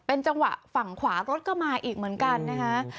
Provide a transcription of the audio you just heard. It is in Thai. จังหวะฝั่งขวารถก็มาอีกเหมือนกันนะคะ